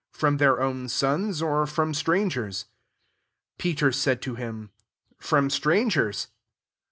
irom their own sons, or from strangers ?" 26 \^Peter] said to him, From strangers.